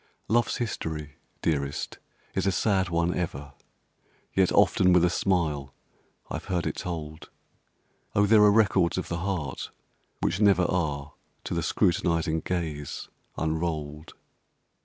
Love's history, dearest, is a sad one ever, Yet often with a smile I've heard it told! Oh, there are records of the heart which never Are to the scrutinizing gaze unrolled!